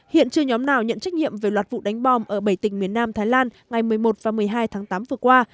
hiện chưa nhóm nào nhận trách nhiệm về loạt vụ đánh bom ở bảy tỉnh miền nam thái lan ngày một mươi một và một mươi hai tháng tám vừa qua